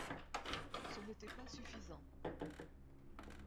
Ce n’était pas suffisant.